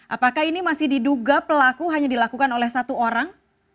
apakah ini masih diduga pelaku hanya dilakukan oleh satu orang